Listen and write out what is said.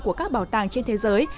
của các bảo tàng trên thế giới